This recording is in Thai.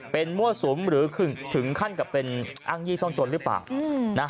เป็นมั่วสุมหรือถึงขั้นกับเป็นอ้างยี่ซ่องจนหรือเปล่า